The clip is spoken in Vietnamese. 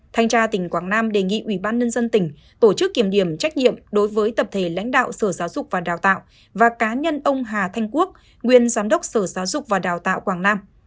thành tra tỉnh quảng nam đề nghị ubnd tổ chức kiểm điểm trách nhiệm đối với tập thể lãnh đạo sở giáo dục và đào tạo và cá nhân ông hà thanh quốc nguyên giám đốc sở giáo dục và đào tạo quảng nam